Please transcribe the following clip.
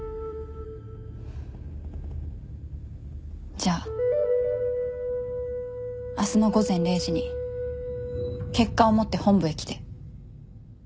じゃあ明日の午前０時に結果を持って本部へ来て。